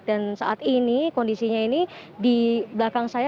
saat ini kondisinya ini di belakang saya